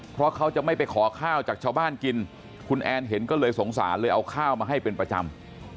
เพราะเขาจะไม่ไปขอข้าวจากชาวบ้านกินคุณแอนเห็นก็เลยสงสารเลยเอาข้าวมาให้เป็นประจำ